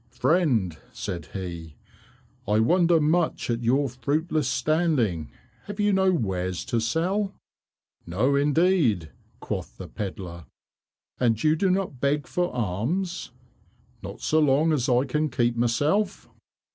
"Friend," said he, "I wonder much at your fruitless standing. Have you no wares to sell?" "No, indeed," quoth the pedlar. "And you do not beg for alms." "Not so long as I can keep myself."